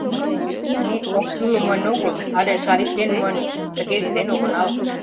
— Ме оккӱлым монь огыл але шалитлен монь тыге ыштен огынал.